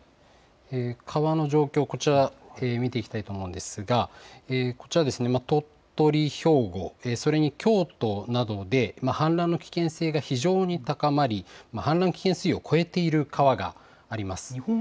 川の状況、こちら、見ていきたいと思うんですが、こちら、鳥取、兵庫、それに京都などで、氾濫の危険性が非常に高まり、氾濫危険水位を超えている川があります。